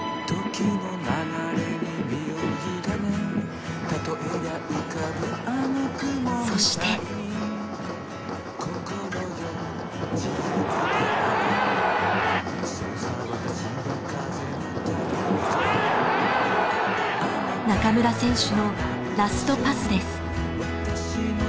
中村選手のラストパスです。